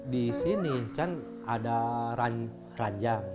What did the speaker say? di sini kan ada keranjang